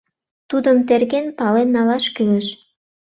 Тудым терген, пален налаш кӱлеш.